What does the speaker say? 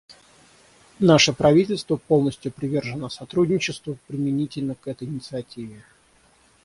Наше правительство полностью привержено сотрудничеству применительно к этой инициативе.